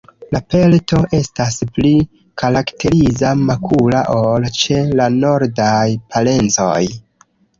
La pelto estas pli karakteriza, makula ol ĉe la nordaj parencoj.